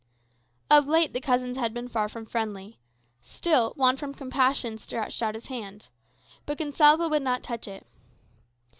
Of late the cousins had been far from friendly. Still Juan from compassion stretched out his hand. But Gonsalvo would not touch it.